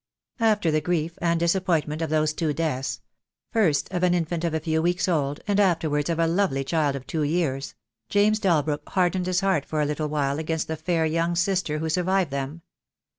After the grief and disappointment of those two deaths — first of an infant of a few weeks old, and afterwards of a lovely child of two years— James Dalbrook hardened his heart for a little while against the fair young sister who survived them.